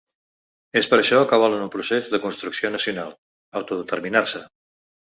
És per això que volen un ‘procés de construcció nacional, autodeterminar-se’.